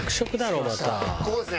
ここですね。